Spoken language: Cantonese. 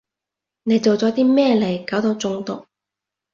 你做咗啲咩嚟搞到中毒？